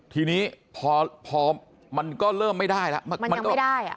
ทีนี้พอมันก็เริ่มไม่ได้แล้วมันก็ไม่ได้